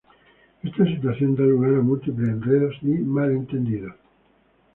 Esta situación da lugar a múltiples enredos y malentendidos.